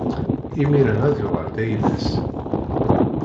Imiren ad yuɣal d ayla-s.